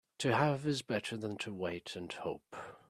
To have is better than to wait and hope.